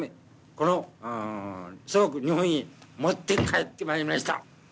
この祖国・日本に持って帰ってまいりました